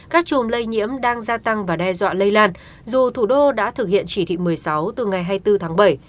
các chùm lây nhiễm đang gia tăng và đe dọa lây lan dù thủ đô đã thực hiện chỉ thị một mươi sáu từ ngày hai mươi bốn tháng bảy